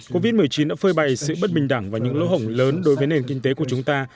covid một mươi chín đã phơi bày sự bất bình đẳng và những lỗ hổng lớn đối với nền kinh tế của chúng ta